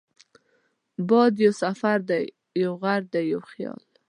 باد یو سفر دی، یو غږ دی، یو خیال